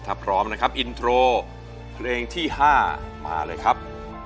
ถ้าพร้อมนะครับอินโทรเพลงที่๕มาเลยครับ